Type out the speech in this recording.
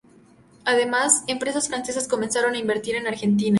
Además, empresas francesas comenzaron a invertir en Argentina.